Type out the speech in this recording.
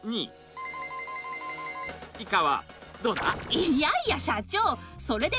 いやいや社長！